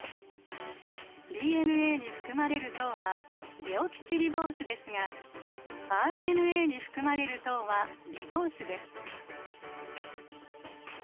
ＤＮＡに含まれる糖はデオキシリボースですがＲＮＡに含まれる糖はリボースです。